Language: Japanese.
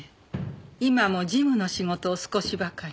今も事務の仕事を少しばかり。